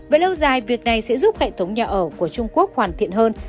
về lâu dài việc này sẽ giúp hệ thống nhà ở của trung quốc hoàn thiện hơn